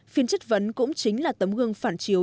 phiên chất vấn cũng chính là tấm gương phản chiếu